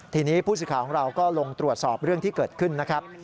ทีนี้ผู้สื่อข่าวของเราก็ลงตรวจสอบเรื่องที่เกิดขึ้นนะครับ